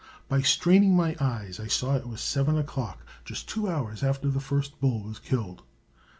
By straining my eyes I saw it was 7 o'clock just two hours after the first bull was killed.